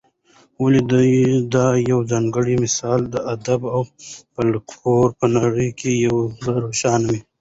ولي دا یوځانګړی مثال د ادب او فلکلور په نړۍ کي په روښانه